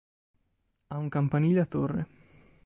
Ha un campanile a torre.